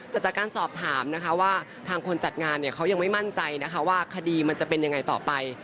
แต่จากการสอบถามนะคะว่าทางคนจัดงานเนี่ยเขายังไม่มั่นใจนะคะว่าคดีมันจะเป็นยังไงต่อไป